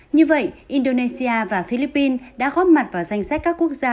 như vậy indonesia và philippines đã góp mặt vào danh sách các quốc gia